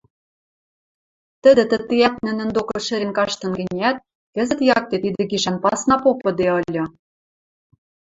Тӹдӹ тӹтеӓт нӹнӹн докы шӹрен каштын гӹнят, кӹзӹт якте тидӹ гишӓн пасна попыде ыльы.